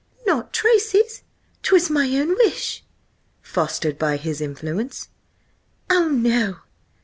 "Not Tracy's. 'Twas my own wish." "Fostered by his influence?" "Oh, no!"